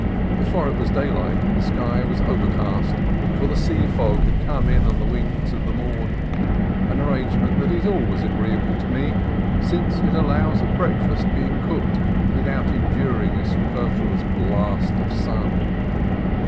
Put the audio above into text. Before it was daylight the sky was overcast, for the sea fog had come in on the wings of the morn, — an arrangement that is always agree able to me, since it allows of breakfast being cooked without enduring a superfluous blast of sun.